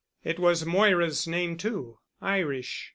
It was Moira's name too, Irish.